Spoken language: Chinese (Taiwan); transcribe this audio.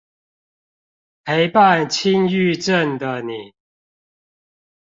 陪伴輕鬱症的你